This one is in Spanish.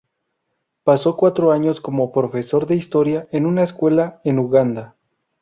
Pasó cuatro años como profesor de historia en una escuela en Uganda.